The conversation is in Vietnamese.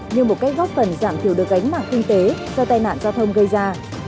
như một cách góp phần giảm thiểu được gánh nặng kinh tế do tai nạn giao thông gây ra